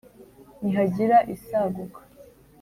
ntihagira isaguka.